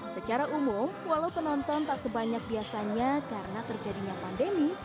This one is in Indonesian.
secara umum walau penonton tak sebanyak biasanya karena terjadinya pandemi